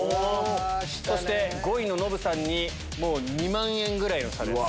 そして５位のノブさんに２万円ぐらいの差。